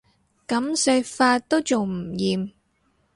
噉食法都仲唔厭